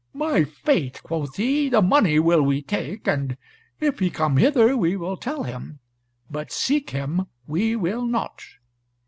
"My faith," quoth he, "the money will we take, and if he come hither we will tell him, but seek him we will not."